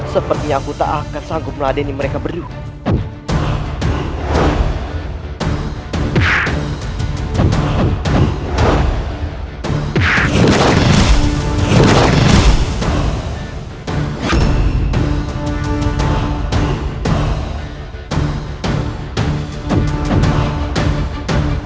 seperti aku tak akan sanggup meladeni mereka berdua